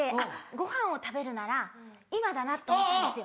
ご飯を食べるなら今だなと思ったんですよ。